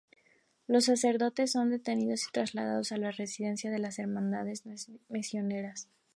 Los sacerdotes son detenidos y trasladados a la Residencia de las Hermanas Misioneras.